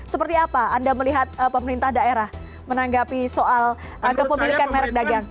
seperti apa anda melihat pemerintah daerah menanggapi soal kepemilikan merek dagang